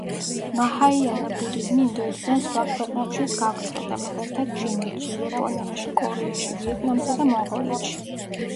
მაჰაიანა ბუდიზმი ინდოეთიდან სხვა ქვეყნებშიც გავრცელდა, მაგალითად ჩინეთში, იაპონიაში, კორეაში, ვიეტნამსა, და მონღოლეთში.